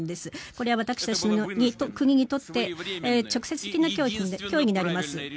これは私たちの国にとって直接的な脅威になります。